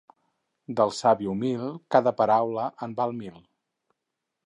Del savi humil, cada paraula en val mil.